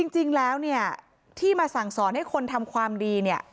จริงแล้วเนี่ยที่มาสั่งสอนให้คนทำความดีเนี่ย